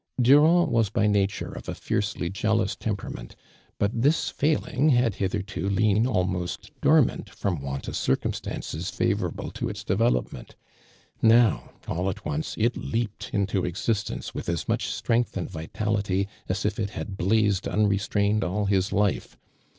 Durand was by nature ofa fiercely jealous temperament, but this failing had hitherto lain almost dormant from want of circum stances favorable to its development. Now, aU f»t once it leaped into existence with as much strength and vitality as if it had blazed unrestmmed all his life.